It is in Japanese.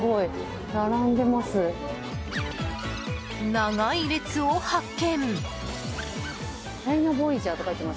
長い列を発見！